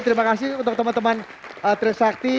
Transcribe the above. terima kasih untuk teman teman tri sakti